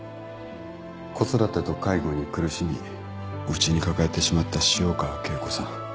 子育てと介護に苦しみ内に抱えてしまった潮川恵子さん。